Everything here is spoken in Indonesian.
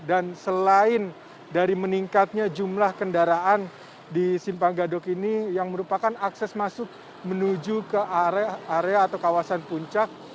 dan selain dari meningkatnya jumlah kendaraan di simpang gadok ini yang merupakan akses masuk menuju ke area atau kawasan puncak